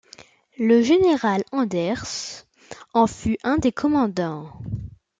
Le général Anders en fut un des commandants.